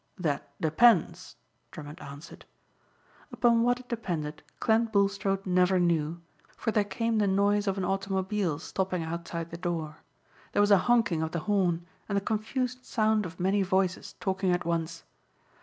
"That depends," Drummond answered. Upon what it depended Clent Bulstrode never knew for there came the noise of an automobile stopping outside the door. There was a honking of the horn and the confused sound of many voices talking at once.